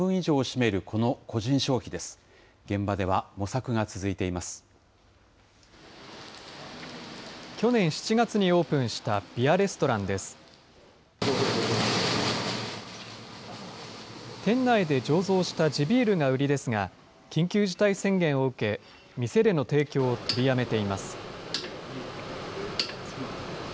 店内で醸造した地ビールが売りですが、緊急事態宣言を受け、店での提供を取りやめています。